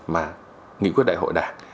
mà nghị quyết đại hội đã